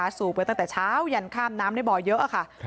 เนี้ยสูบเยอะตั้งแต่เช้าหยั่นค่าน้ำในบ่อเยอะอ่ะค่ะค่ะ